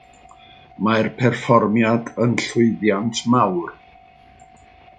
Mae'r perfformiad yn llwyddiant mawr.